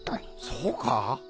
そうかぁ？